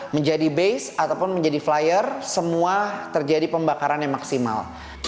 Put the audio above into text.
menjadi base ataupun menjadi flyer semua terjadi pembakaran yang maksimal